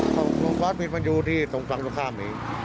กล้องจนปิดมันอยู่ที่ตรงฝั่งลูกข้ามนี้